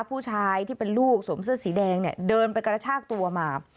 ผู้ชายที่เป็นลูกสวมเสื้อสีแดงเนี่ยเดินไปกระชากตัวมา